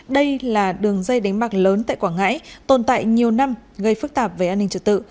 đây là đường dây đánh bạc lớn tại quảng ngãi tồn tại nhiều năm gây phức tạp về an ninh trật tự